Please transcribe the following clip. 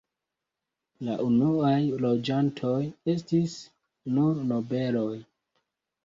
La unuaj loĝantoj estis nur nobeloj.